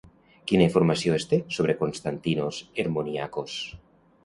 Quina informació es té sobre Konstantinos Hermoniakos?